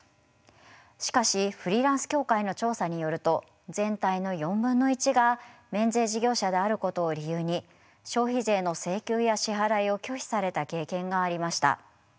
しかしフリーランス協会の調査によると全体の４分の１が免税事業者であることを理由に消費税の請求や支払いを拒否された経験がありました。